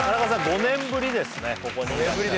５年ぶりですね